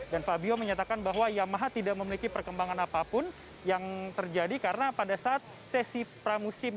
dan fabio menyatakan bahwa yamaha tidak memiliki perkembangan apapun yang terjadi karena pada saat sesi pramusimum